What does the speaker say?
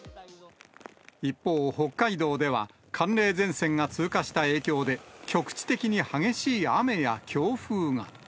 一方、北海道では寒冷前線が通過した影響で、局地的に激しい雨や強風が。